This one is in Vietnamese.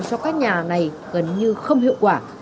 cho các nhà này gần như không hiệu quả